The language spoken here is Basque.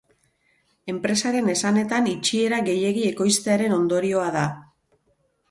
Enpresaren esanetan itxiera gehiegi ekoiztearen ondorioa da.